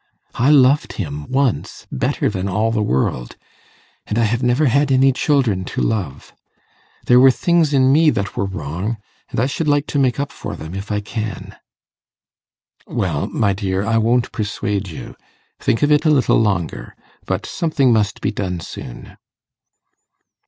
I loved him once better than all the world, and I have never had any children to love. There were things in me that were wrong, and I should like to make up for them if I can.' 'Well, my dear, I won't persuade you. Think of it a little longer. But something must be done soon.